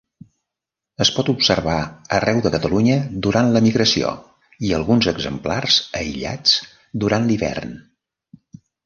Es pot observar arreu de Catalunya durant la migració i alguns exemplars aïllats durant l'hivern.